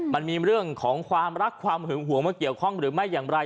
มันมีเรื่องของความรักความหึงห่วงมาเกี่ยวข้องหรือไม่อย่างไร